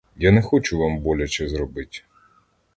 Я не хочу вам боляче зробить.